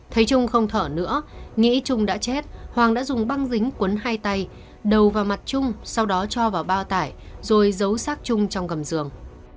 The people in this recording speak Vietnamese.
thấy trung không thở nữa nghĩ trung đã chết hoàng đã dùng băng dính cuốn hai tay đầu vào mặt chung sau đó cho vào bao tải rồi giấu sát chung trong gầm giường